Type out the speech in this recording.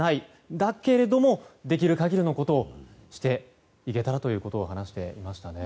だけれどもできる限りのことをしていけたらということを話していましたね。